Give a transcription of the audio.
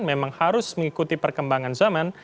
memang harus mengikuti perkembangan zaman